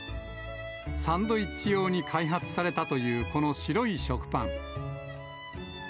サンドイッチ用に開発されたというこの白い食パン。